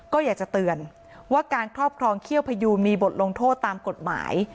ก็อยากจะเตือนว่าการครอบครองเขี้ยวพยูนมีบทลงโทษตามกฎหมาย